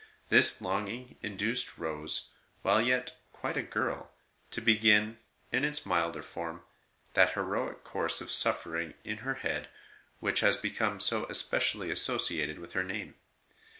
This longing induced Rose, while yet quite a girl, to begin, in its milder form, that heroic course of suffering in her head which has become so especially associated with her name.